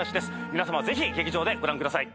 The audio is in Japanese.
皆さまぜひ劇場でご覧ください。